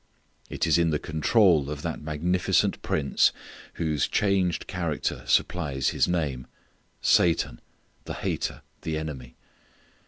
It is in the control of that magnificent prince whose changed character supplies his name Satan, the hater, the enemy.